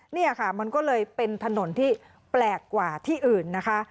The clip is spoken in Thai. นี่ค่ะมันก็เลยเป็นถนนที่แปลกกว่าที่อื่นนะคะ